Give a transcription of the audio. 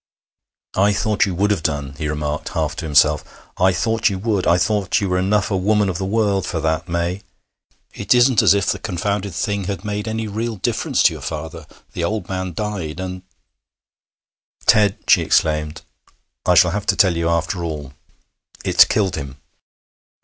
'I thought you would have done,' he remarked, half to himself. 'I thought you would. I thought you were enough a woman of the world for that, May. It isn't as if the confounded thing had made any real difference to your father. The old man died, and ' 'Ted!' she exclaimed, 'I shall have to tell you, after all. It killed him.'